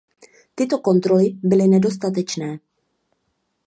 Tyto kontroly byly nedostatečné.